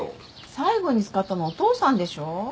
最後に使ったのお父さんでしょ。